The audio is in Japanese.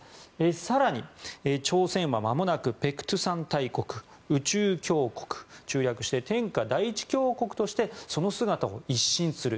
更に朝鮮は間もなく白頭山大国、宇宙強国中略して天下第一強国としてその姿を一新する。